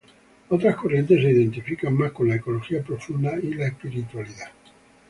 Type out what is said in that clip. Otras corrientes se identifican más con la ecología profunda y la espiritualidad.